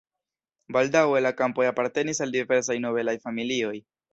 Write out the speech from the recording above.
Baldaŭe la kampoj apartenis al diversaj nobelaj familioj.